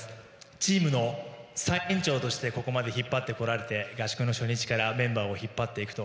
チームの最年長としてここまで引っ張ってこられて合宿の初日からメンバーを引っ張っていくと。